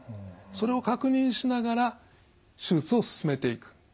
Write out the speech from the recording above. それを確認しながら手術を進めていく。